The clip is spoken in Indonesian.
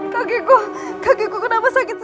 kak geku kak geku kenapa sakit sekali